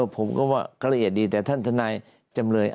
ผมก็ว่าเกลียดดีแต่ท่านท่านาย